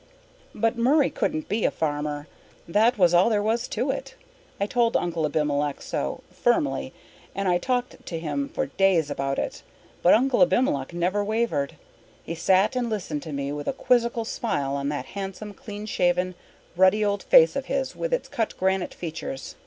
But Murray couldn't be a farmer, that was all there was to it. I told Uncle Abimelech so, firmly, and I talked to him for days about it, but Uncle Abimelech never wavered. He sat and listened to me with a quizzical smile on that handsome, clean shaven, ruddy old face of his, with its cut granite features.